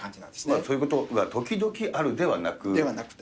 そういうことが時々あるではではなくて。